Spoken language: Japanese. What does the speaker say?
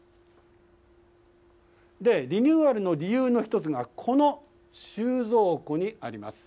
リニューアルの理由の一つが、この収蔵庫にあります。